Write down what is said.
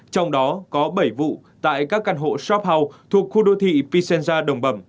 trong đó có bảy vụ tại các căn hộ shop house thuộc khu đô thị pisenza đồng bẩm